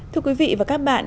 thưa quý vị và các bạn